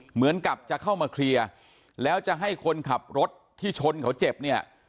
เหมือนกับจะเข้ามาเคลียร์แล้วจะให้คนขับรถที่ชนเขาเจ็บเนี่ย